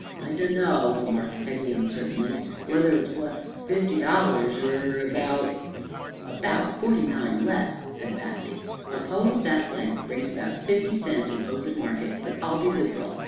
"I dunno," remarked Peggy, uncertainly, "whether it's wuth fifty dollars, er about " "About forty nine less," said Patsy. "A poem of that length brings about fifty cents in open market, but I'll be liberal.